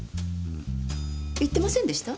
言ってませんでした？